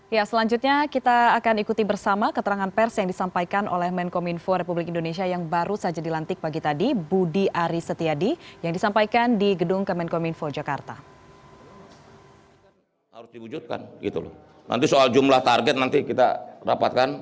ya selanjutnya kita akan ikuti bersama keterangan pers yang disampaikan oleh menkom info republik indonesia yang baru saja dilantik pagi tadi budi aris setiadi yang disampaikan di gedung kemenkominfo